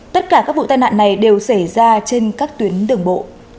tất cả các vụ tàn hạn này đều xảy ra trên các tuyến đường bộ